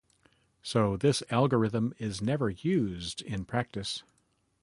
So this algorithm is never used in practice.